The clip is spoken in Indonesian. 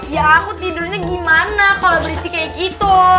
ya aku tidurnya gimana kalo berisik kayak gitu